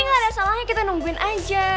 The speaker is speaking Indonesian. nggak salahnya kita nungguin aja